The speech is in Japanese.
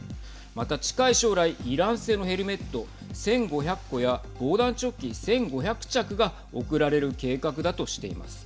また、近い将来イラン製のヘルメット１５００個や防弾チョッキ１５００着が送られる計画だとしています。